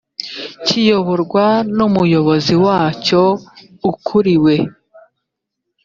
kiyoborwa n umuyobozi wacyo ukuriwe